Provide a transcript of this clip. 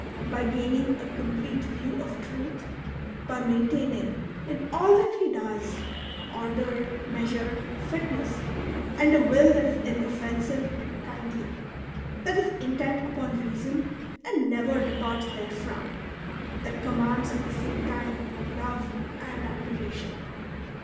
By gaining a complete view of truth, by maintaining, in all that he does, order, measure, fitness, and a will that is inoffensive and kindly, that is intent upon reason and never departs therefrom, that commands at the same time love and admiration.